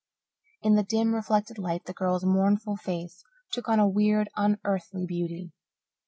In the dim, reflected light the girl's mournful face took on a weird, unearthly beauty.